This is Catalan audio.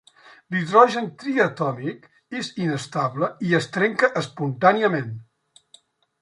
L'hidrogen triatòmic és inestable i es trenca espontàniament.